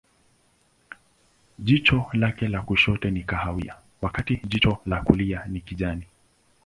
Jicho lake la kushoto ni kahawia, wakati jicho la kulia ni kijani.